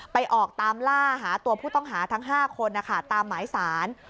ออกตามล่าหาตัวผู้ต้องหาทั้ง๕คนนะคะตามหมายสาร